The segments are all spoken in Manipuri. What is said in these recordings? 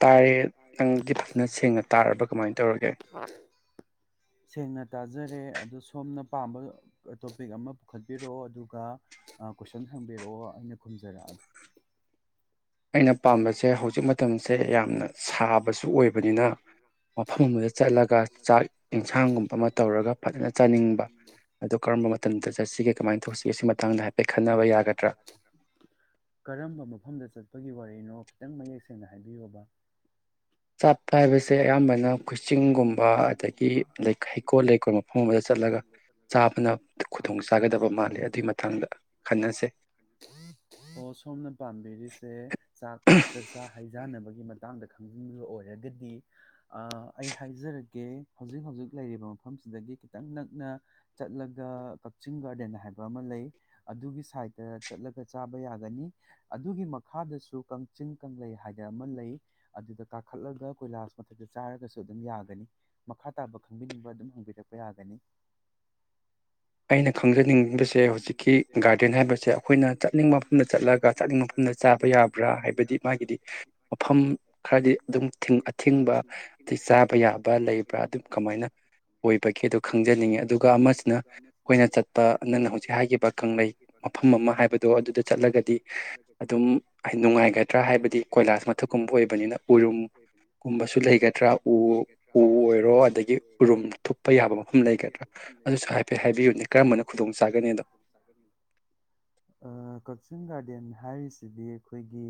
ꯇꯥꯔꯦ ꯅꯪꯗꯤ ꯐꯖꯅ ꯁꯦꯡꯅ ꯇꯥꯔꯕ ꯀꯃꯥꯏ ꯇꯧꯔꯒꯦ ꯁꯦꯡꯅ ꯇꯥꯖꯔꯦ ꯑꯣ ꯁꯣꯝꯅ ꯄꯥꯝꯕ ꯇꯣꯄꯤꯛ ꯑꯃ ꯄꯨꯈꯠꯄꯤꯔꯛꯑꯣ ꯑꯗꯨꯒ ꯀꯣꯏꯁꯟ ꯍꯪꯕꯤꯔꯛꯑꯣ ꯑꯩꯅ ꯈꯨꯝꯖꯔꯛꯑꯒ ꯑꯩꯅ ꯄꯥꯝꯕꯁꯦ ꯍꯧꯖꯤꯛ ꯃꯇꯝꯁꯦ ꯌꯥꯝꯅ ꯁꯥꯕꯁꯨ ꯑꯣꯏꯕ ꯕꯅꯤꯅ ꯃꯐꯝ ꯑꯃꯗ ꯆꯠꯂꯒ ꯆꯥꯛ ꯌꯦꯟꯁꯥꯡꯒꯨꯝꯕ ꯑꯃ ꯇꯧꯔꯒ ꯐꯖꯅ ꯆꯥꯅꯤꯡꯕ ꯑ ꯀꯔꯝꯕ ꯃꯇꯝꯗ ꯆꯠꯁꯤꯒꯦ ꯀꯃꯥꯏꯅ ꯇꯧꯁꯤꯒꯦ ꯁꯤ ꯃꯇꯥꯡꯗ ꯍꯥꯏꯐꯦꯠ ꯈꯟꯅꯕ ꯌꯥꯒꯗ꯭ꯔꯥ [unintelligible] ꯋꯥꯔꯤꯅꯣ ꯈꯤꯇꯪ ꯃꯌꯦꯛ ꯁꯦꯡꯅ ꯍꯥꯏꯕꯤꯌꯣꯕ ꯑ ꯑꯣ ꯁꯣꯝꯅ ꯄꯥꯝꯕꯤꯔꯤꯁꯦ ꯆꯛꯆꯥ ꯍꯩ ꯆꯥꯅꯕꯒꯤ ꯃꯇꯥꯡꯗ ꯈꯪꯖꯤꯟꯕ ꯑꯣꯏ ꯍꯥꯏꯔꯒꯗꯤ ꯑꯩ ꯍꯥꯏꯖꯔꯒꯦ ꯍꯧꯖꯤꯛ ꯍꯧꯖꯤꯛ ꯂꯩꯔꯤꯕ ꯃꯐꯝꯁꯤꯗꯒꯤ ꯈꯤꯇꯪ ꯅꯛꯅ ꯆꯠꯂꯒ ꯀꯛꯆꯤꯡ ꯒꯥꯔꯗꯦꯟ ꯍꯥꯏꯕ ꯑꯃ ꯂꯩ ꯑꯗꯨꯒꯤ ꯁꯥꯏꯗꯠꯇ ꯆꯠꯂꯒ ꯆꯥꯕ ꯌꯥꯒꯅꯤ ꯑꯗꯨꯒꯤ ꯃꯈꯥꯗꯁꯨ ꯀꯛꯆꯤꯡ ꯀꯪꯂꯩꯩ ꯍꯥꯏꯗꯅ ꯑꯃ ꯂꯩ ꯑꯗꯨꯗ ꯈꯜꯂꯒ ꯀꯣꯏꯂꯥꯁꯥꯁ ꯃꯊꯛꯇ ꯆꯥꯔꯒꯁꯨ ꯑꯗꯨꯝ ꯌꯥꯒꯅꯤ ꯃꯈꯥ ꯇꯥꯕ ꯈꯪꯕꯤꯅꯤꯡꯕ ꯑꯗꯨꯝ ꯍꯪꯕꯤꯔꯛꯄ ꯌꯥꯒꯅꯤ ꯑꯩꯟ ꯈꯪꯖꯅꯤꯡꯕꯁꯦ ꯍꯧꯖꯤꯛꯀꯤ ꯒꯥꯔꯗꯦꯟ ꯍꯥꯏꯕꯁꯦ ꯑꯩꯈꯣꯏꯅ ꯆꯠꯅꯤꯡꯕ ꯃꯐꯝꯗ ꯆꯠꯂꯒ ꯆꯠꯅꯤꯡꯕ ꯃꯐꯝꯗ ꯆꯥꯕ ꯌꯥꯕ꯭ꯔꯥ ꯍꯥꯏꯕꯗꯤ ꯃꯥꯒꯤꯗꯤ ꯃꯐꯝ ꯈꯔꯗꯤ ꯑꯗꯨꯝ ꯑꯊꯤꯡꯕ ꯑꯗꯩ ꯆꯥꯕ ꯌꯥꯕ ꯂꯩꯕ꯭ꯔꯥ ꯑꯗꯨꯝ ꯀꯃꯥꯏꯅ ꯑꯣꯏꯕꯒꯦ ꯑꯗꯨ ꯈꯪꯖꯅꯤꯡꯉꯤ ꯑꯗꯨꯒ ꯑꯃꯁꯤꯅ ꯅꯪꯅ ꯍꯧꯖꯤꯛ ꯍꯥꯏꯈꯤꯕ ꯀꯪꯂꯩ ꯃꯐꯝ ꯑꯃ ꯍꯥꯏꯕꯗꯣ ꯑꯗꯨꯗ ꯆꯠꯂꯒꯗꯤ ꯑꯗꯨꯝ ꯅꯨꯡꯉꯥꯏꯒꯗ꯭ꯔꯥ ꯍꯥꯏꯕꯗꯤ ꯀꯣꯏꯂꯥꯁ ꯃꯊꯛꯀꯨꯝꯕ ꯑꯣꯏꯕꯅꯤꯅ ꯎꯔꯨꯝꯒꯨꯝꯕꯁꯨ ꯂꯩꯒꯗ꯭ꯔꯥ ꯎ ꯎ ꯑꯣꯏꯔꯣ ꯑꯗꯒꯤ ꯎꯔꯨꯝ ꯊꯨꯞꯄ ꯌꯥꯕ ꯃꯐꯝ ꯂꯩꯒꯗ꯭ꯔꯥ ꯑꯗꯨꯁꯨ ꯍꯥꯏ ꯍꯥꯏꯕꯤꯌꯨ ꯑ ꯀꯛ ꯀꯛꯆꯤꯡ ꯒꯥꯔꯗꯦꯟ ꯍꯥꯏꯔꯤꯁꯤꯗꯤ ꯑꯩꯈꯣꯏꯒꯤ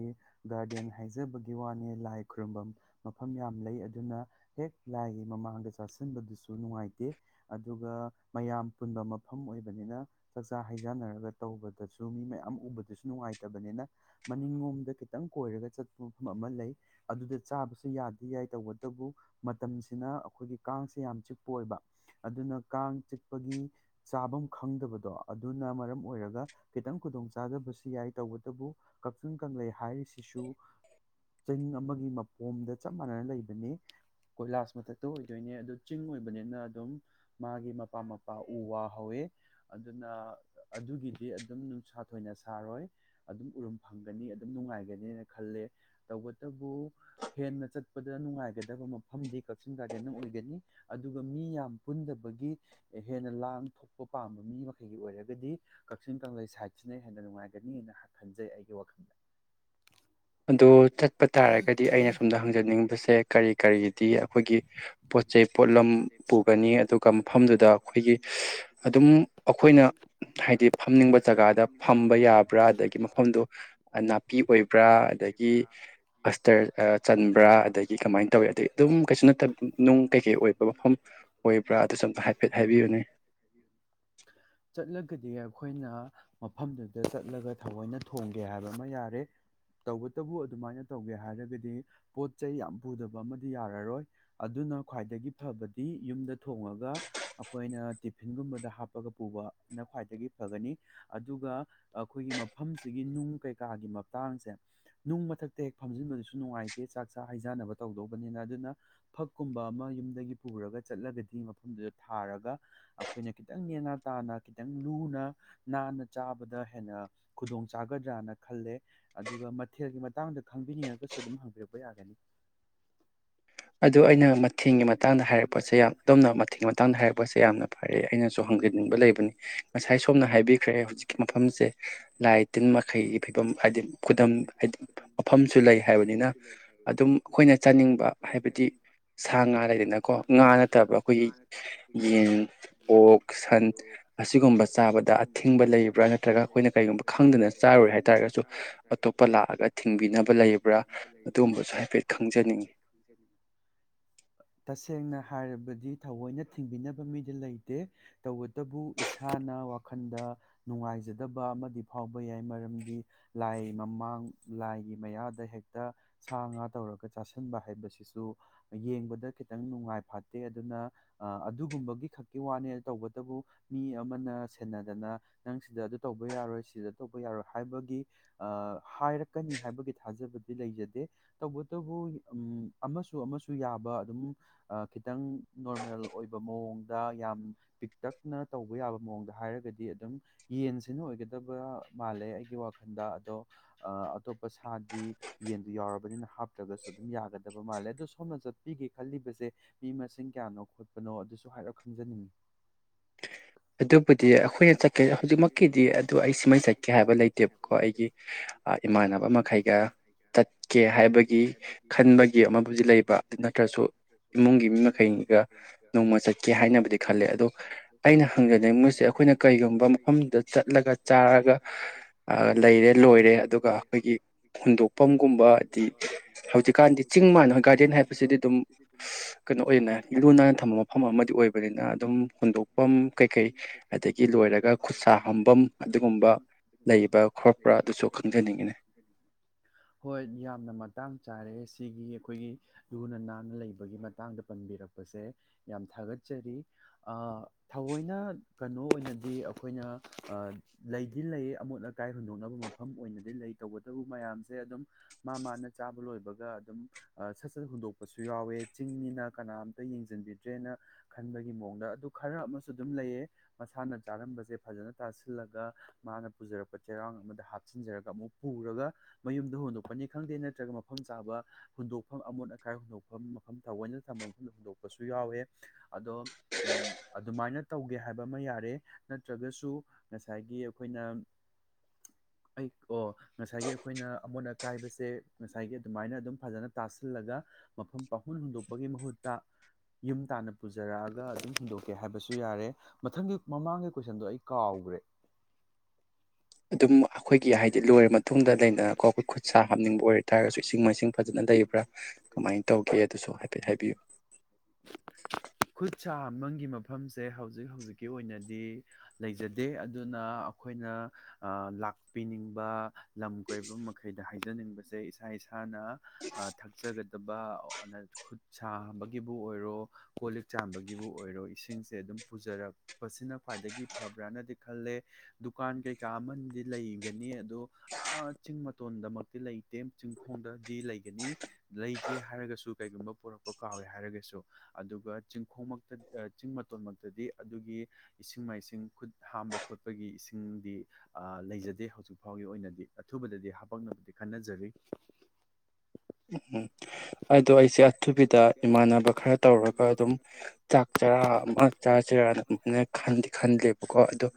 ꯒꯥꯔꯗꯦꯟ ꯍꯥꯏꯖꯕꯒꯤ ꯋꯥꯅꯤ ꯂꯥꯏ ꯈꯨꯔꯨꯝꯐꯝ ꯃꯐꯝ ꯌꯥꯝ ꯂꯩ ꯑꯗꯨꯅ ꯍꯦꯛ ꯂꯥꯏꯒꯤ ꯃꯃꯥꯡꯗ ꯆꯥꯁꯤꯟꯕꯗꯨꯁꯨ ꯅꯨꯡꯉꯥꯏꯇꯦ ꯑꯗꯨꯒ ꯃꯌꯥꯝ ꯄꯨꯟꯕ ꯃꯐꯝ ꯑꯣꯏꯕꯅꯤꯅ ꯆꯥꯛꯆꯥ ꯍꯩꯖꯥꯟꯅꯔꯒ ꯇꯧꯕꯗꯁꯨ ꯃꯤ ꯃꯌꯥꯝ ꯎꯕꯗꯁꯨ ꯅꯨꯡꯉꯥꯏꯇꯕꯅꯤꯅ ꯃꯅꯤꯡꯂꯣꯝꯗ ꯈꯤꯇꯪ ꯀꯣꯏꯔꯒ ꯆꯠꯄ ꯃꯐꯝ ꯑꯃ ꯂꯩ ꯑꯗꯨꯗ ꯆꯥꯕꯁꯨ ꯌꯥꯗꯤ ꯌꯥꯏ ꯇꯧꯕꯇꯕꯨ ꯃꯇꯝꯁꯤꯅ ꯑꯩꯈꯣꯏꯒꯤ ꯀꯥꯡꯁꯦ ꯌꯥꯝ ꯆꯤꯛꯄ ꯑꯣꯏꯕ ꯑꯗꯨꯅ ꯀꯥꯡ ꯆꯤꯛꯄꯒꯤ ꯆꯥꯐꯝ ꯈꯪꯗꯕꯗꯣ ꯑꯗꯨꯅ ꯃꯔꯝ ꯑꯣꯏꯔꯒ ꯈꯤꯇꯪ ꯈꯨꯗꯣꯡ ꯆꯥꯗꯕꯁꯨ ꯌꯥꯏ ꯇꯧꯕꯇꯕꯨ ꯀꯛꯆꯤꯡ ꯀꯪꯂꯩꯩ ꯍꯥꯏꯔꯤꯁꯤꯁꯨ ꯆꯤꯡ ꯑꯃꯒꯤ ꯃꯄꯣꯝꯗ ꯆꯞ ꯃꯥꯟꯅꯅ ꯂꯩꯕꯅꯤ ꯀꯣꯏꯂꯥꯁ ꯃꯊꯛꯇ ꯑꯣꯏꯗꯣꯏꯅꯦ ꯑꯗꯨ ꯆꯤꯡ ꯑꯣꯏꯕꯅꯤꯅ ꯑꯗꯨꯝ ꯃꯥꯒꯤ ꯃꯄꯥ ꯃꯄꯥ ꯎ ꯋꯥ ꯐꯥꯎꯋꯦ ꯑꯗꯨꯅ ꯑꯗꯨꯒꯤꯗꯤ ꯑꯗꯨꯝ ꯅꯨꯡꯁꯥ ꯊꯣꯏꯅ ꯁꯥꯔꯣꯏ ꯑꯗꯨꯝ ꯎꯔꯨꯝ ꯐꯪꯒꯅꯤ ꯑꯗꯨꯝ ꯅꯨꯡꯉꯥꯏꯒꯅꯤꯅ ꯈꯜꯂꯦ ꯇꯧꯕꯇꯕꯨ ꯍꯦꯟꯅ ꯆꯠꯄꯗ ꯅꯨꯡꯉꯥꯏꯒꯗꯕ ꯃꯐꯝꯗꯤ ꯀꯛꯆꯤꯡ ꯒꯥꯔꯗꯦꯟꯅ ꯑꯣꯏꯒꯅꯤ ꯑꯗꯨꯒ ꯃꯤ ꯌꯥꯝ ꯄꯨꯟꯗꯕꯒꯤ ꯍꯦꯟꯅ ꯂꯥꯡ ꯊꯣꯛꯄ ꯄꯥꯝꯕ ꯃꯤ ꯃꯈꯩꯒꯤ ꯑꯣꯏꯔꯒꯗꯤ ꯀꯛꯆꯤꯡ ꯀꯪꯂꯩ ꯁꯥꯏꯠꯁꯤꯅ ꯍꯦꯟꯅ ꯅꯨꯡꯉꯥꯏꯒꯅꯤꯅ ꯈꯟꯖꯩ ꯑꯩꯒꯤ ꯋꯥꯈꯜꯗ ꯑꯗꯣ ꯆꯠꯄ ꯇꯥꯔꯒꯗꯤ ꯑꯩꯅ ꯁꯣꯝꯗ ꯍꯪꯖꯅꯤꯡꯕꯁꯦ ꯀꯔꯤ ꯀꯔꯤꯒꯤꯗꯤ ꯑꯩꯈꯣꯏꯒꯤ ꯄꯣꯠ ꯆꯩꯩ ꯄꯣꯠꯂꯝ ꯄꯨꯒꯅꯤ ꯑꯗꯒꯤ ꯑꯁꯇꯔ ꯆꯟꯕ꯭ꯔꯥ ꯑꯗꯒꯤ ꯀꯃꯥꯏꯅ ꯇꯧꯋꯤ ꯑꯗꯩ ꯑꯗꯨꯝ ꯀꯩꯁꯨ ꯅꯠꯇꯕ ꯅꯨꯡ ꯀꯩꯀꯩ ꯑꯣꯏꯕ ꯃꯐꯝ ꯑꯣꯏꯕ꯭ꯔꯥ ꯍꯥꯏꯐꯦꯠ ꯍꯥꯏꯕꯤꯌꯨꯅꯦ ꯑꯩꯈꯣꯏꯅ ꯃꯐꯝꯗꯨꯗ ꯆꯠꯂꯒ ꯊꯑꯣꯏꯅ ꯊꯣꯡꯒꯦ ꯍꯥꯏꯕ ꯑꯃ ꯌꯥꯔꯦ ꯇꯧꯕꯇꯕꯨ ꯑꯗꯨꯃꯥꯏꯅ ꯇꯧꯒꯦ ꯍꯥꯏꯔꯒꯗꯤ ꯄꯣꯠ ꯆꯩ ꯌꯥꯝ ꯄꯨꯗꯕ ꯑꯃꯗꯤ ꯌꯥꯔꯔꯣꯏ ꯑꯗꯨꯅ ꯈ꯭ꯋꯥꯏꯗꯒꯤ ꯐꯕꯗꯤ ꯌꯨꯝꯗ ꯊꯣꯡꯉꯒ ꯑꯩꯈꯣꯏꯅ ꯇꯤꯐꯤꯟꯒꯨꯝꯕꯗ ꯍꯥꯞꯄꯒ ꯄꯨꯕꯅ ꯈ꯭ꯋꯥꯏꯗꯒꯤ ꯐꯒꯅꯤ ꯑꯗꯨꯒ ꯑꯩꯈꯣꯏꯒꯤ ꯃꯐꯝꯁꯤꯒꯤ ꯅꯨꯡ ꯀꯩꯀꯥꯒꯤ ꯃꯇꯥꯡꯁꯦ ꯅꯨꯡ ꯃꯊꯛꯇ ꯍꯦꯛ ꯐꯝꯖꯤꯟꯕꯗꯨꯁꯨ ꯅꯨꯡꯉꯥꯏꯇꯦ ꯆꯥꯛ ꯆꯥꯛ ꯍꯩꯖꯥꯟꯅꯕ ꯇꯧꯗꯧꯕꯅꯤꯅ ꯑꯗꯨꯅ ꯐꯛꯀꯨꯝꯕ ꯑꯃ ꯌꯨꯝꯗꯒꯤ ꯄꯨꯔꯒ ꯆꯠꯂꯒꯗꯤ ꯃꯐꯝꯗꯨꯗ ꯊꯥꯔꯒ ꯑꯩꯈꯣꯏꯅ ꯈꯤꯇꯪ ꯅꯦꯅꯥ ꯇꯥꯅ ꯈꯤꯇꯪ ꯂꯨꯅ ꯅꯥꯟꯅ ꯆꯥꯕꯗ ꯍꯦꯟꯅ ꯈꯨꯗꯣꯡ ꯆꯥꯒꯗ꯭ꯔꯅ ꯈꯜꯂꯦ ꯑꯗꯨꯒ ꯃꯊꯦꯜꯒꯤ ꯃꯇꯥꯡꯗ ꯈꯪꯕꯤꯅꯤꯡꯉꯒꯁꯨ ꯑꯗꯨꯝ ꯍꯪꯕꯤꯔꯛꯄ ꯌꯥꯒꯅꯤ ꯑꯗꯣ ꯑꯩꯅ ꯃꯊꯦꯡꯒꯤ ꯃꯇꯥꯡꯗ ꯍꯥꯏꯔꯛꯄꯁꯦ ꯌꯥꯝ ꯑꯗꯣꯝꯅ ꯃꯊꯦꯡꯒꯤ ꯃꯇꯥꯡꯗ ꯍꯥꯏꯔꯛꯄꯁꯦ ꯌꯥꯝꯅ ꯐꯔꯦ ꯑꯩꯅꯁꯨ ꯍꯪꯖꯅꯤꯡꯕ ꯂꯩꯕꯅꯤ ꯉꯁꯥꯏ ꯁꯣꯝꯅ ꯍꯥꯏꯕꯤꯈ꯭ꯔꯦ ꯍꯧꯖꯤꯛꯀꯤ ꯃꯐꯝꯁꯦ ꯂꯥꯏ ꯇꯤꯟ ꯃꯈꯩꯒꯤ ꯐꯤꯕꯝ ꯍꯥꯏꯗꯤ ꯈꯨꯗꯝ ꯍꯥꯏꯗꯤ ꯃꯐꯝꯁꯨ ꯂꯩ ꯍꯥꯏꯕꯅꯤꯅ ꯑꯗꯨꯝ ꯑꯩꯈꯣꯏꯅ ꯆꯥꯅꯤꯡꯕ ꯆꯅꯤꯡꯕ ꯁꯥ ꯉꯥ ꯂꯩꯗꯅꯀꯣ ꯉꯥ ꯅꯠꯇꯕ ꯑꯩꯈꯣꯏꯒꯤ ꯌꯦꯟ ꯑꯣꯛ ꯁꯟ ꯑꯁꯤꯒꯨꯝꯕ ꯆꯥꯕꯗ ꯑꯊꯤꯡꯕ ꯂꯩꯕ꯭ꯔꯥ ꯅꯠꯇ꯭ꯔꯒ ꯑꯩꯈꯣꯏꯅ ꯀꯔꯤꯒꯨꯝꯕ ꯈꯪꯗꯅ ꯆꯥꯔꯨꯔꯦ ꯍꯥꯏꯇꯥꯔꯒꯁꯨ ꯑꯇꯣꯞꯄ ꯂꯥꯛꯑꯒ ꯊꯤꯡꯕꯤꯅꯕ ꯂꯩꯕ꯭ꯔꯥ ꯑꯗꯨꯒꯨꯝꯕꯁꯨ ꯍꯥꯏꯐꯦꯠ ꯈꯪꯖꯅꯤꯡꯉꯤ ꯇꯁꯦꯡꯅ ꯍꯥꯏꯔꯕꯗꯤ ꯊꯑꯣꯏꯅ ꯊꯤꯡꯕꯤꯅꯕ ꯃꯤꯗꯤ ꯂꯩꯇꯦ ꯇꯧꯕꯇꯕꯨ ꯏꯁꯥꯅ ꯋꯥꯈꯜꯗ ꯅꯨꯡꯉꯥꯏꯖꯗꯕ ꯑꯃꯗꯤ ꯐꯥꯎꯕ ꯌꯥꯏ ꯃꯔꯝꯗꯤ ꯂꯥꯏ ꯃꯃꯥꯡ ꯂꯥꯏꯒꯤ ꯃꯌꯥꯗ ꯍꯦꯛꯇ ꯁꯥ ꯉꯥ ꯇꯧꯔꯒ ꯆꯥꯁꯤꯟꯕ ꯍꯥꯏꯕꯁꯤꯁꯨ ꯌꯦꯡꯕ ꯗ ꯈꯤꯇꯪ ꯅꯨꯡꯉꯥꯏ ꯐꯥꯠꯇꯦ ꯑꯗꯨꯅ ꯑꯗꯨꯒꯨꯝꯕꯒꯤ ꯈꯛꯀꯤ ꯋꯥꯅꯦ ꯇꯧꯕꯇꯕꯨ ꯃꯤ ꯑꯃꯅ ꯁꯦꯟꯅꯗꯅ ꯅꯪ ꯁꯤꯗ ꯑꯗꯨ ꯇꯧꯕ ꯌꯥꯔꯣꯏ ꯁꯤꯗ ꯇꯧꯕ ꯌꯥꯔꯣꯏ ꯍꯥꯏꯕꯒꯤ ꯍꯥꯏꯔꯛꯀꯅꯤ ꯍꯥꯏꯕꯒꯤ ꯊꯥꯖꯕꯗꯤ ꯂꯩꯖꯗꯦ ꯇꯧꯕꯇꯕꯨ ꯑꯃꯁꯨ ꯑꯃꯁꯨ ꯌꯥꯕ ꯑꯗꯨꯝ ꯈꯤꯇꯪ ꯅꯣꯔꯃꯦꯜ ꯑꯣꯏꯕ ꯃꯑꯣꯡꯗ ꯌꯥꯝ ꯄꯤꯛꯇꯛꯅ ꯇꯧꯕ ꯌꯥꯕ ꯃꯑꯣꯡꯗ ꯍꯥꯏꯔꯒꯗꯤ ꯑꯗꯨꯝ ꯌꯦꯟꯁꯤꯅ ꯑꯣꯏꯒꯗꯕ ꯃꯥꯜꯂꯦ ꯑꯩꯒꯤ ꯋꯥꯈꯜꯗ ꯑꯗꯣ ꯑꯇꯣꯞꯄ ꯁꯥꯗꯤ ꯌꯦꯟꯗꯨ ꯌꯥꯎꯔꯕꯅꯤꯅ ꯍꯥꯞꯇ꯭ꯔꯒꯁꯨ ꯑꯗꯨꯝ ꯌꯥꯒꯗꯕ ꯃꯥꯜꯂꯦ ꯑꯗꯣ ꯁꯣꯝꯅ ꯆꯠꯄꯤꯒꯦ ꯈꯜꯂꯤꯕꯁꯦ ꯃꯤ ꯃꯁꯤꯡ ꯀꯌꯥꯅꯣ ꯈꯣꯠꯄꯅꯣ ꯑꯗꯨꯁꯨ ꯍꯥꯏꯔꯞ ꯈꯪꯖꯅꯤꯡꯉꯤ ꯑꯗꯨꯕꯨꯗꯤ ꯑꯩꯈꯣꯏꯅ ꯆꯠꯀꯦ ꯍꯧꯖꯤꯛꯃꯛꯀꯤꯗꯤ ꯑꯗꯨ ꯑꯩ ꯁꯤꯃꯩ ꯆꯠꯀꯦ ꯍꯥꯏꯕ ꯂꯩꯇꯦꯕꯀꯣ ꯑꯩꯒꯤ ꯏꯃꯥꯟꯅꯕ ꯃꯈꯩꯒ ꯆꯠꯀꯦ ꯍꯥꯏꯕꯒꯤ ꯈꯟꯕꯒꯤ ꯑꯃꯕꯨꯗꯤ ꯂꯩꯕ ꯑꯗꯨ ꯅꯠꯇ꯭ꯔꯁꯨ ꯏꯃꯨꯡꯒꯤ ꯃꯤ ꯃꯈꯩꯒ ꯅꯣꯡꯃ ꯆꯠꯀꯦ ꯍꯥꯏꯅꯕꯗꯤ ꯈꯜꯂꯦ ꯑꯗꯣ ꯑꯩꯅ ꯈꯪꯖꯅꯤꯡ ꯃꯣꯏꯁꯦ ꯑꯩꯈꯣꯏꯅ ꯀꯩꯒꯨꯝꯕ ꯃꯐꯝꯗ ꯆꯠꯂꯒ ꯆꯥꯔꯒ ꯂꯩꯔꯦ ꯂꯣꯏꯔꯦ ꯑꯗꯨꯒ ꯑꯩꯈꯣꯏꯒꯤ ꯍꯨꯟꯗꯣꯛꯐꯝꯒꯨꯝꯕ ꯍꯥꯏꯗꯤ ꯍꯧꯖꯤꯛꯀꯥꯟꯗꯤ ꯆꯤꯡ ꯃꯥꯟꯗ ꯒꯥꯔꯗꯦꯟ ꯍꯥꯏꯕꯁꯤꯗꯤ ꯑꯗꯨꯝ ꯀꯩꯅꯣ ꯑꯣꯏꯅ ꯂꯨ ꯅꯥꯟꯅ ꯊꯝꯕ ꯃꯐꯝ ꯑꯃꯗꯤ ꯑꯣꯏꯕꯅꯤꯅ ꯑꯗꯨꯝ ꯍꯨꯣꯟꯗꯣꯛꯐꯝ [unintelligible] ꯍꯣꯏ ꯌꯥꯝꯅ ꯃꯇꯥꯡ ꯆꯥꯏ ꯌꯥꯔꯦ ꯁꯤꯒꯤ ꯑꯩꯈꯣꯏꯒꯤ ꯂꯨꯅ ꯅꯥꯟ ꯂꯩꯕꯒꯤ ꯃꯇꯥꯡꯗ ꯄꯟꯕꯤꯔꯛꯄꯁꯦ ꯌꯥꯝ ꯊꯥꯒꯠꯆꯔꯤ ꯑꯥ ꯊꯑꯣꯏꯅ ꯀꯩꯅꯣ ꯑꯣꯏꯅꯗꯤ ꯑꯩꯈꯣꯏꯅ ꯂꯩꯗꯤ ꯂꯩ ꯑꯃꯣꯠ ꯑꯀꯥꯏ ꯍꯨꯟꯗꯣꯛꯅꯕ ꯃꯐꯝ ꯑꯣꯏꯅꯗꯤ ꯂꯩ ꯇꯧꯕꯇꯕꯨ ꯃꯌꯥꯝꯁꯦ ꯑꯗꯨꯝ ꯃꯥ ꯃꯥꯅ ꯆꯥꯕ ꯂꯣꯏꯕꯒ ꯑꯗꯨꯝ ꯁꯠ ꯁꯠ ꯍꯨꯟꯗꯣꯛ ꯁꯨ ꯌꯥꯎꯋꯦ ꯆꯤꯡꯅꯤꯅ ꯀꯅꯥꯝꯇ ꯌꯦꯡꯁꯤꯟꯕꯤꯗ꯭ꯔꯦꯅ ꯈꯟꯕꯒꯤ ꯃꯑꯣꯡꯗ ꯑꯗꯨ ꯈꯔ ꯑꯃꯁꯨ ꯑꯗꯨꯝ ꯂꯩꯌꯦ ꯃꯁꯥꯅ ꯆꯥꯔꯝꯕꯁꯦ ꯐꯖꯅ ꯇꯥꯁꯤꯜꯂꯒ ꯃꯥꯅ ꯄꯨꯖꯔꯛꯄ ꯆꯩꯔꯥꯡ ꯑꯃꯗ ꯍꯥꯞꯆꯤꯟꯖꯔꯒ ꯑꯃꯨꯛ ꯄꯨꯔꯒ ꯃꯌꯨꯝꯗ ꯍꯨꯟꯗꯣꯛꯄꯅꯤ ꯈꯪꯗꯦ ꯅꯠꯇ꯭ꯔꯒ ꯃꯐꯝ ꯆꯥꯕ ꯍꯨꯟꯗꯣꯛꯐꯝ ꯑꯃꯣꯠ ꯑꯀꯥꯏ ꯍꯨꯟꯗꯣꯛꯐꯝ ꯃꯐꯝ ꯊꯑꯣꯏꯅ ꯊꯝꯕ ꯃꯐꯝꯗ ꯍꯨꯟꯗꯣꯛꯄꯁꯨ ꯌꯥꯎꯋꯦ ꯑꯗꯣ ꯑꯗꯨꯃꯥꯏꯅ ꯇꯧꯒꯦ ꯍꯥꯏꯕ ꯑꯃ ꯌꯥꯔꯦ ꯅꯠꯇ꯭ꯔꯒꯁꯨ ꯉꯁꯥꯏꯒꯤ ꯑꯩꯈꯣꯏꯅ ꯑꯩ ꯑꯣ ꯉꯁꯥꯏꯒꯤ ꯑꯩꯈꯣꯏꯅ ꯑꯃꯣꯠ ꯑꯀꯥꯏꯕꯁꯦ ꯉꯁꯥꯏꯒꯤ ꯑꯗꯨꯃꯥꯏꯅ ꯑꯗꯨꯝ ꯐꯖꯅ ꯇꯥꯁꯤꯜꯂꯒ ꯃꯐꯝ ꯄꯥꯡꯈꯨꯟ ꯍꯨꯟꯗꯣꯛꯄꯒꯤ ꯃꯍꯨꯠꯇ ꯌꯨꯝ ꯇꯥꯟꯅ ꯄꯨꯖꯔꯛꯑꯒ ꯑꯗꯨꯝ ꯍꯨꯟꯗꯣꯛꯀꯦ ꯍꯥꯏꯕꯁꯨ ꯌꯥꯔꯦ ꯃꯊꯪꯒꯤ ꯃꯃꯥꯡꯒꯤ ꯀꯣꯏꯁꯟꯗꯣ ꯑꯩ ꯀꯥꯎꯈ꯭ꯔꯦ ꯑꯗꯨꯝ ꯑꯩꯈꯣꯏꯒꯤ ꯍꯥꯏꯗꯤ ꯂꯣꯏꯔ ꯃꯇꯨꯡꯗ ꯂꯩꯗꯅꯀꯣ ꯑꯩꯈꯣꯏ ꯈꯨꯠ ꯁꯥ ꯍꯥꯞꯅꯤꯡꯕ ꯑꯣꯏꯔ ꯇꯥꯔꯒꯁꯨ ꯏꯁꯤꯡ ꯃꯥꯏꯁꯤꯡ ꯐꯖꯅ ꯂꯩꯕ꯭ꯔꯥ ꯀꯃꯥꯏꯅ ꯇꯧꯒꯦ ꯑꯗꯨꯁꯨ ꯍꯥꯏꯐꯦꯠ ꯍꯥꯏꯕꯤꯌꯨ [unintelligible] ꯃꯐꯝꯁꯦ ꯍꯧꯖꯤꯛ ꯍꯧꯖꯤꯛꯀꯤ ꯑꯣꯏꯅꯗꯤ ꯂꯩꯖꯗꯦ ꯑꯗꯨꯅ ꯑꯩꯈꯣꯏꯅ ꯂꯥꯛ ꯄꯤꯅꯤꯡꯕ ꯂꯝ ꯀꯣꯏꯕ ꯃꯈꯩꯗ ꯍꯥꯏꯖꯅꯤꯡꯕꯁꯦ ꯏꯁꯥ ꯏꯁꯥꯅ ꯊꯛꯆꯒꯗꯕ ꯈꯨꯠ ꯁꯥꯕꯒꯤꯕꯨ ꯑꯣꯏꯔꯣ ꯀꯣ ꯂꯤꯛ ꯆꯥꯝꯕꯒꯤꯕꯨ ꯑꯣꯏꯔꯣ ꯏꯁꯤꯡꯁꯦ ꯑꯗꯨꯝ ꯄꯨꯖꯔꯛꯄꯁꯤꯅ ꯈ꯭ꯋꯥꯏꯗꯒꯤ ꯐꯕ꯭ꯔꯅꯗꯤ ꯈꯜꯂꯦ ꯗꯨꯀꯥꯟ ꯀꯩꯀꯥ ꯑꯃꯗꯤꯗꯤ ꯂꯩ ꯒꯅꯤ ꯑꯗꯣ ꯑꯥ ꯆꯤꯡ ꯃꯇꯣꯟꯗꯃꯛꯇꯤ ꯂꯩꯇꯦ ꯆꯤꯡꯈꯣꯡꯗꯗꯤ ꯂꯩꯒꯅꯤ ꯂꯩꯒꯦ ꯍꯥꯏꯔꯒꯁꯨ ꯀꯩꯒꯨꯝꯕ ꯄꯨꯔꯛꯄ ꯀꯥꯎꯋꯦ ꯍꯥꯏꯔꯒꯁꯨ ꯑꯗꯨꯒ ꯆꯤꯡꯈꯣꯡꯃꯛꯇ ꯆꯤꯡ ꯃꯇꯣꯟꯃꯛꯇꯗꯤ ꯑꯗꯨꯒꯤ ꯏꯁꯤꯡ ꯃꯥꯏꯁꯤꯡ ꯈꯨꯠ ꯍꯥꯝꯕ ꯈꯣꯠꯄꯒꯤ ꯏꯁꯤꯡꯗꯤ ꯂꯩꯖꯗꯦ ꯍꯧꯖꯤꯛ ꯐꯥꯎꯒꯤ ꯑꯣꯏꯅꯗꯤ ꯑꯊꯨꯕꯗꯗꯤ ꯍꯥꯄꯛꯅꯕꯗꯤ ꯈꯟꯅꯖꯔꯤ ꯎꯝꯝ ꯑꯗꯣ ꯑꯩꯁꯦ ꯑꯊꯨꯕꯤꯗ ꯏꯃꯥꯟꯅꯕ ꯈꯔ ꯇꯧꯔꯒ ꯑꯗꯨꯝ ꯆꯥꯛ ꯆꯔꯥ ꯑꯃ ꯆꯥꯁꯤꯔꯥꯅ ꯑꯗꯨꯃꯥꯏꯅ ꯈꯟꯗꯤ ꯈꯟꯗꯦꯕꯀꯣ ꯑꯣ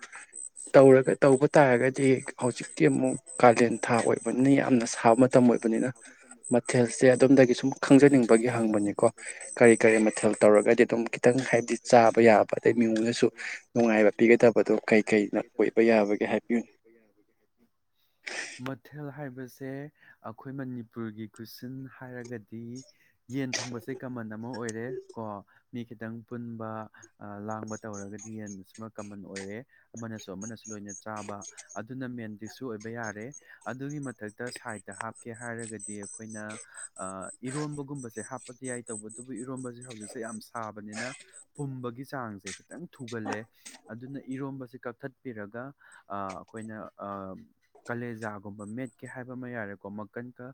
ꯇꯧꯔꯒ ꯇꯧꯕ ꯇꯥꯔꯒꯗꯤ ꯍꯧꯖꯤꯛꯇꯤ ꯑꯃꯨꯛ ꯀꯥꯂꯦꯟ ꯊꯥ ꯑꯣꯏꯕꯅꯤꯅ ꯌꯥꯝꯅ ꯁꯥꯕ ꯃꯇꯝ ꯑꯣꯏꯕꯅꯤꯅ ꯃꯊꯦꯜꯁꯦ ꯑꯗꯣꯝꯗꯒꯤ ꯁꯨꯝ ꯈꯪꯖꯅꯤꯡꯕꯒꯤ ꯍꯪꯕꯅꯤꯀꯣ ꯀꯔꯤ ꯀꯔꯤ ꯃꯊꯦꯜ ꯇꯧꯔꯒꯗꯤ ꯑꯗꯨꯝ ꯈꯤꯇꯪ ꯍꯥꯏꯕꯗꯤ ꯆꯥꯕ ꯌꯥꯕ ꯑꯗꯩ ꯃꯤꯉꯣꯟꯗꯁꯨ ꯅꯨꯡꯉꯥꯏꯕ ꯄꯤꯒꯗꯕꯗꯣ ꯀꯩ ꯀꯩꯅ ꯑꯣꯏꯕ ꯌꯥꯕꯒꯦ ꯍꯥꯏꯕꯤꯌꯨꯅꯤ ꯃꯊꯦꯜ ꯍꯥꯏꯕꯁꯦ ꯑꯩꯈꯣꯏ ꯃꯅꯤꯄꯨꯔꯒꯤ ꯀꯣꯏꯁꯟ ꯍꯥꯏꯔꯒꯗꯤ ꯌꯦꯟ ꯊꯣꯡꯕꯁꯦ ꯀꯃꯟ ꯑꯃ ꯑꯣꯏꯔꯦ ꯀꯣ ꯃꯤ ꯈꯤꯇꯪ ꯄꯨꯟꯕ ꯂꯥꯡꯕ ꯇꯧꯔꯒꯗꯤ ꯌꯦꯟꯁꯤꯃ ꯀꯃꯟ ꯑꯣꯏꯔꯦ ꯑꯃꯅꯁꯨ ꯑꯃꯅꯁꯨ ꯂꯣꯏꯅ ꯆꯥꯕ ꯑꯗꯨꯅ ꯃꯦꯟ ꯗꯤꯛꯁꯨ ꯑꯣꯏꯕ ꯌꯥꯔꯦ ꯑꯗꯨꯒꯤ ꯃꯊꯛꯇ ꯁꯥꯏꯠꯇ ꯍꯥꯞꯀꯦ ꯍꯥꯏꯔꯒꯗꯤ ꯑꯩꯈꯣꯏꯅ ꯏꯔꯣꯝꯕꯒꯨꯝꯕꯁꯦ ꯍꯥꯞꯄꯗꯤ ꯌꯥꯏ ꯇꯧꯕ ꯑꯗꯨꯕꯨ ꯏꯔꯣꯝꯕꯁꯦ ꯍꯧꯖꯤꯛꯁꯦ ꯌꯥꯝ ꯁꯥꯕꯅꯤꯅ ꯄꯨꯝꯕꯒꯤ ꯆꯥꯡꯁꯦ ꯈꯤꯇꯪ ꯊꯨꯒꯜꯂꯦ ꯑꯗꯨꯅ ꯏꯔꯣꯝꯕꯁꯦ ꯀꯛꯊꯠꯄꯤꯔꯒ ꯑꯩꯈꯣꯏꯅ ꯀꯂꯦꯖꯥꯒꯨꯝꯕ ꯃꯦꯠꯀꯦ ꯍꯥꯏꯕ ꯑꯃ ꯌꯥꯔꯦꯀꯣ ꯃꯀꯟꯒ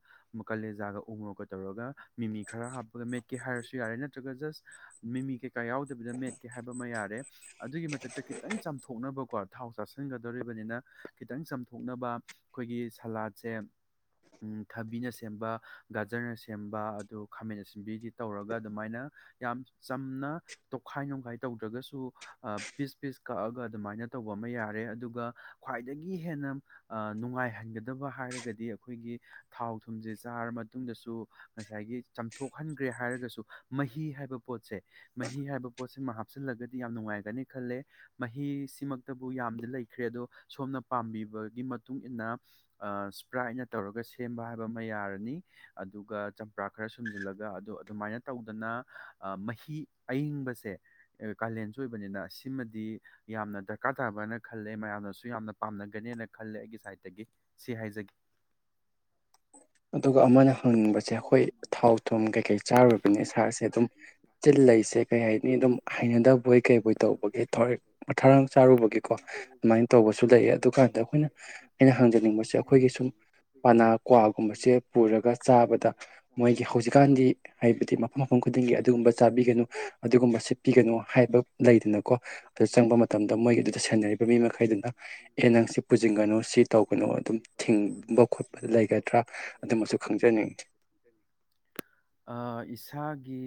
ꯀꯥꯂꯦꯖꯥꯒ ꯎꯉꯒ ꯇꯧꯔꯒ ꯃꯤꯃꯤ ꯈꯔ ꯍꯥꯞꯄꯒ ꯃꯦꯠꯀꯦ ꯍꯥꯏꯔꯁꯨ ꯌꯥꯔꯦ ꯅꯠꯇ꯭ꯔꯒ ꯖꯁ ꯃꯤꯃꯤ ꯀꯩꯀꯥ ꯌꯥꯎꯗꯕꯤꯗ ꯃꯦꯠꯀꯦ ꯍꯥꯏꯕ ꯑꯃ ꯌꯥꯔꯦ ꯑꯗꯨꯒꯤ ꯃꯊꯛꯇ ꯈꯤꯇꯪ ꯆꯥꯝꯊꯣꯛꯅꯕꯀꯣ ꯊꯥꯎ ꯆꯥꯁꯤꯟꯒꯗꯧꯔꯤꯕꯅꯤꯅ ꯈꯤꯇꯪ ꯆꯥꯝꯊꯣꯛꯅꯕ ꯑꯩꯈꯣꯏꯒꯤ ꯁꯥꯂꯥꯠꯁꯦ ꯊꯕꯤꯅ ꯁꯦꯝꯕ ꯒꯥꯖꯔꯅ ꯁꯦꯝꯕ ꯑꯗꯨ ꯈꯥꯃꯦꯟꯟꯅ ꯁꯦꯝꯕꯤꯒꯤ ꯇꯧꯔꯒ ꯑꯗꯨꯃꯥꯏꯅ ꯌꯥꯝ ꯆꯝꯅ ꯇꯣꯈꯥꯏ ꯅꯣꯈꯥꯏ ꯇꯧꯗ꯭ꯔꯒꯁꯨ ꯄꯤꯁ ꯄꯤꯁ ꯀꯛꯑꯒ ꯑꯗꯨꯃꯥꯏꯅ ꯇꯧꯕ ꯑꯃ ꯌꯥꯔꯦ ꯑꯗꯨꯒ ꯈ꯭ꯋꯥꯏꯗꯒꯤ ꯍꯦꯟꯅ ꯅꯨꯡꯉꯥꯏꯍꯟꯒꯗꯕ ꯍꯥꯏꯔꯒꯗꯤ ꯑꯩꯈꯣꯏꯒꯤ ꯊꯥꯎ ꯊꯨꯝꯁꯦ ꯆꯥꯔ ꯃꯇꯨꯡꯗꯁꯨ ꯉꯁꯥꯏꯒꯤ ꯆꯥꯝꯊꯣꯛꯍꯟꯈ꯭ꯔꯦ ꯍꯥꯏꯔꯒꯁꯨ ꯃꯍꯤ ꯍꯥꯏꯕ ꯄꯣꯠꯁꯦ ꯃꯍꯤ ꯍꯥꯏꯕ ꯄꯣꯠꯁꯤꯃ ꯍꯥꯞꯆꯜꯂꯒꯗꯤ ꯌꯥꯝ ꯅꯨꯡꯉꯥꯏꯒꯅꯤ ꯈꯜꯂꯦ ꯃꯍꯤꯁꯤꯃꯛꯇꯕꯨ ꯌꯥꯝꯗꯤ ꯂꯩꯈ꯭ꯔꯦ ꯑꯗꯣ ꯁꯣꯝꯅ ꯄꯥꯝꯕꯤꯕꯒꯤ ꯃꯇꯨꯡ ꯃꯇꯨꯡꯏꯟꯅ ꯏꯁ꯭ꯄ꯭ꯔꯥꯏꯠꯅ ꯇꯧꯔꯒ ꯁꯦꯝꯕ ꯍꯥꯏꯕ ꯑꯃ ꯌꯥꯔꯅꯤ ꯑꯗꯨꯒ ꯆꯝꯄ꯭ꯔꯥ ꯈꯔ ꯁꯨꯝꯖꯤꯜꯂꯒ ꯑꯗ ꯑꯗꯨꯃꯥꯏꯅ ꯇꯧꯗꯅ ꯃꯍꯤ ꯑꯌꯤꯡꯕꯁꯦ ꯀꯥꯂꯦꯟꯁꯨ ꯑꯣꯏꯕꯅꯤꯅ ꯁꯤꯃꯗꯤ ꯌꯥꯝꯅ ꯗꯔꯀꯥꯔ ꯇꯥꯕ ꯍꯥꯏꯅ ꯈꯜꯂꯦ ꯃꯌꯥꯝꯅ ꯁꯨ ꯌꯥꯝꯅ ꯄꯥꯝꯅꯒꯅꯦꯅ ꯈꯜꯂꯦ ꯑꯩꯒꯤ ꯁꯥꯏꯠꯇꯒꯤ ꯁꯤ ꯍꯥꯏꯖꯒꯦ ꯑꯗꯨꯒ ꯑꯃꯅ ꯍꯪꯅꯤꯡꯕꯁꯦ ꯑꯩꯈꯣꯏ ꯊꯥꯎ ꯊꯨꯝ ꯀꯩꯀꯩ ꯆꯥꯔꯨꯕꯅꯦ ꯁꯥꯔꯁꯦ ꯑꯗꯨꯝ ꯆꯤꯜ ꯂꯩꯁꯦ ꯀꯩ ꯍꯥꯏꯅꯤ ꯑꯗꯨꯝ ꯍꯩꯅꯗꯕꯣꯏ ꯀꯩꯕꯣꯏ ꯇꯧꯕꯒꯦ ꯊꯛ ꯃꯊꯥꯡ ꯆꯥꯔꯨꯕꯒꯤꯦꯀꯣ ꯑꯗꯨꯃꯥꯏꯅ ꯇꯧꯕꯁꯨ ꯂꯩꯌꯦ ꯑꯗꯨꯀꯥꯟꯗ ꯑꯩꯈꯣꯏꯅ ꯑꯩꯅ ꯍꯪꯖꯅꯤꯡꯕꯁꯦ ꯑꯩꯈꯣꯏꯒꯤ ꯁꯨꯝ ꯄ ꯀ꯭ꯋꯥꯒꯨꯝꯕꯁꯦ ꯄꯨꯔꯒ ꯆꯥꯕꯗ ꯃꯣꯏꯒꯤ ꯍꯧꯖꯤꯛꯀꯥꯟꯗꯤ ꯍꯥꯏꯕꯗꯤ ꯃꯐꯝ ꯃꯐꯝ ꯈꯨꯗꯤꯡꯒꯤ ꯑꯗꯨꯒꯨꯝꯕ ꯆꯥꯕꯤꯒꯅꯨ ꯑꯗꯨꯒꯨꯝꯕ ꯁꯤꯠꯄꯤꯒꯅꯨ ꯍꯥꯏꯕ ꯂꯩꯗꯅꯀꯣ ꯑꯗꯨ ꯆꯪꯕ ꯃꯇꯝꯗ ꯃꯣꯏꯒꯤꯗꯨꯗ ꯁꯦꯟꯅꯔꯤꯕ ꯃꯤ ꯃꯈꯩꯗꯨꯅ ꯑꯦ ꯅꯪ ꯁꯤ ꯄꯨꯁꯤꯟꯒꯅꯨ ꯁꯤ ꯇꯧꯒꯅꯨ ꯑꯗꯨꯝ ꯊꯤꯡꯕ ꯈꯣꯠꯄ ꯂꯩ ꯒꯗ꯭ꯔꯥ ꯑꯗꯨꯃꯁꯨ ꯈꯪꯖꯩ ꯑ ꯏꯁꯥꯒꯤ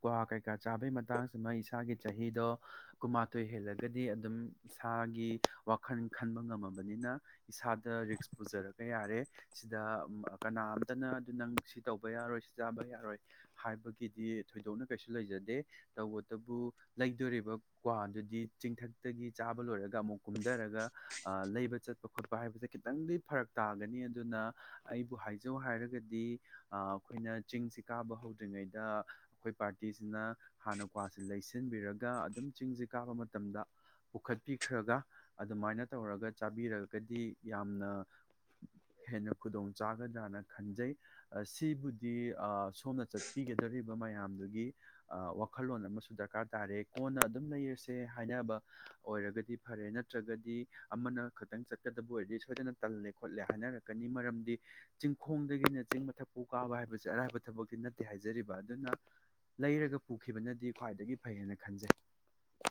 ꯀ꯭ꯋꯥ ꯀꯩꯀꯥ ꯆꯥꯕꯩ ꯃꯇꯥꯡꯁꯤꯃ ꯏꯁꯥꯒꯤ ꯆꯍꯤꯗꯣ ꯀꯨꯟꯃꯥꯊꯣꯏ ꯍꯦꯜꯂꯒꯗꯤ ꯑꯗꯨꯝ ꯏꯁꯥꯒꯤ ꯋꯥꯈꯜ ꯈꯟꯕ ꯉꯝꯃꯕꯅꯤꯅ ꯏꯁꯥꯗ ꯔꯤꯛꯁ ꯄꯨꯖꯔꯒ ꯌꯥꯔꯦ ꯁꯤꯗ ꯀꯅꯥꯝꯇꯅ ꯅꯪ ꯁꯤ ꯇꯧꯕ ꯌꯥꯔꯣꯏ ꯁꯤ ꯆꯥꯕ ꯌꯥꯔꯣꯏ ꯍꯥꯏꯕꯒꯤꯗꯤ ꯊꯣꯏꯗꯣꯛꯅ ꯀꯩꯁꯨ ꯂꯩꯖꯗꯦ ꯇꯧꯕꯇꯕꯨ ꯂꯩꯗꯣꯔꯤꯕ ꯀ꯭ꯗꯨꯗꯤ ꯆꯤꯡꯊꯛꯇꯒꯤ ꯆꯥꯕ ꯂꯣꯏ ꯑꯃꯨꯛ ꯀꯨꯝꯊꯔꯒ ꯂꯩꯕ ꯆꯠꯄ ꯈꯣꯠꯄ ꯍꯥꯏꯕꯁꯦ ꯈꯤꯇꯪꯗꯤ ꯐꯔꯛ ꯇꯥꯒꯅꯤ ꯑꯗꯨꯅ ꯑꯩꯕꯨ ꯍꯥꯏꯖꯧ ꯍꯥꯏꯔꯒꯗꯤ ꯑꯩꯈꯣꯏꯅ ꯆꯤꯡꯁꯤ ꯀꯥꯕ ꯍꯧꯗ꯭ꯔꯤꯉꯩꯗ ꯑꯩꯈꯣꯏ ꯄꯥꯔꯇꯤꯁꯤꯅ ꯍꯥꯟꯅ ꯀ꯭ꯋꯥꯁꯦ ꯂꯩꯁꯤꯟꯕꯤꯔꯒ ꯗ ꯑꯗꯨꯝ ꯆꯤꯡꯁꯦ ꯀꯥꯕ ꯃꯇꯝꯗ ꯄꯨꯈꯠꯄꯤꯈ꯭ꯔꯒ ꯑꯗꯨꯃꯥꯏꯅ ꯇꯧꯔꯒ ꯆꯥꯕꯤꯔꯒꯗꯤ ꯌꯥꯝꯅ ꯍꯦꯟꯅ ꯈꯨꯗꯣꯡ ꯆꯥꯒꯗ꯭ꯔꯥꯅ ꯈꯟꯖꯩ ꯁꯤꯕꯨꯗꯤ ꯁꯣꯝꯅ ꯆꯠꯄꯤꯒꯗꯧꯔꯤꯕ ꯃꯌꯥꯝꯗꯨꯒꯤ ꯋꯥꯈꯜꯂꯣꯟ ꯑꯃꯁꯨ ꯗꯔꯀꯥꯔ ꯇꯥꯔꯦ ꯀꯣꯟꯅ ꯑꯗꯨꯝ ꯂꯩꯔꯁꯦ ꯍꯥꯏꯅꯕ ꯑꯣꯏꯔꯒꯗꯤ ꯐꯔꯦ ꯅꯠꯇ꯭ꯔꯒꯗꯤ ꯑꯃꯅ ꯈꯛꯇꯪ ꯆꯠꯀꯗꯕ ꯑꯣꯏꯔꯗꯤ ꯁꯣꯏꯗꯅ ꯇꯜꯂꯦ ꯈꯣꯠꯂꯦ ꯍꯥꯏꯅꯔꯛꯀꯅꯤ ꯃꯔꯝꯗꯤ ꯆꯤꯡꯈꯣꯡꯗꯒꯤꯅ ꯆꯤꯡ ꯃꯊꯛꯄꯨ ꯀꯥꯕ ꯍꯥꯏꯕꯁꯦ ꯑꯔꯥꯏꯕ ꯊꯕꯛꯇꯤ ꯅꯠꯇꯦ ꯍꯥꯏꯖꯔꯤꯕ ꯑꯗꯨꯅ ꯂꯩꯔꯒ ꯄꯨꯈꯤꯕꯅꯗꯤ ꯈ꯭ꯋꯥꯏꯗꯒꯤ ꯐꯩ ꯍꯥꯏꯅ ꯈꯟꯖꯩ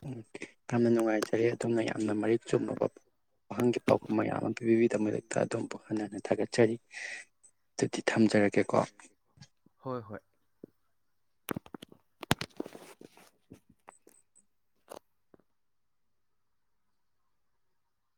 ꯎꯝ ꯌꯥꯝꯅ ꯅꯨꯡꯉꯥꯏꯖꯔ ꯑꯗꯣꯝꯅ ꯌꯥꯝꯅ ꯃꯔꯤꯛ ꯆꯨꯝꯕ ꯋꯥꯍꯪꯒꯤ ꯄꯥꯎꯈꯨꯝ ꯃꯌꯥꯝ ꯑꯃ ꯄꯤꯕꯤꯕꯒꯤꯗ ꯃꯛꯇ ꯑꯗꯣꯝꯕꯨꯨꯛ ꯍꯟꯅ ꯍꯟꯅ ꯊꯥꯒꯠꯆꯔꯤ ꯑꯗꯨꯗꯤ ꯊꯝꯖꯔꯒꯦ ꯍꯣꯏ ꯍꯣꯏ꯫